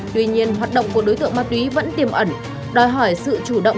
tuy nhiên hoạt động của đối tượng ma túy vẫn tiềm ẩn đòi hỏi sự chủ động